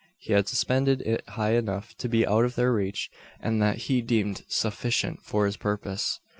He had suspended it high enough to be out of their reach; and that he deemed sufficient for his purpose.